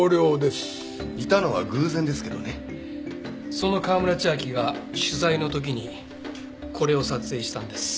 その川村千秋が取材の時にこれを撮影したんです。